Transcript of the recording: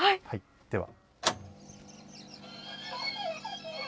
では。